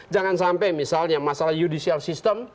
jangan sampai misalnya masalah judicial system